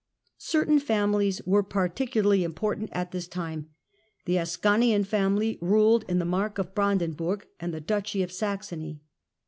Certain families were particularly important at this time. The Ascanian family ruled in the Mark of Bran denburg and in the Duchy of Saxony.